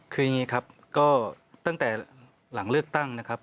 คืออย่างนี้ครับก็ตั้งแต่หลังเลือกตั้งนะครับ